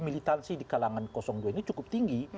militansi di kalangan dua ini cukup tinggi